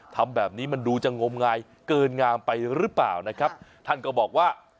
ทำแบบนี้มันดูจะงมงายเกินงามไปหรือเปล่านะครับท่านก็บอกว่า